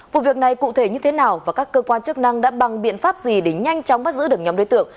vụ việc này cụ thể như thế nào và các cơ quan chức năng đã bằng biện pháp gì để nhanh chóng bắt giữ được nhóm đối tượng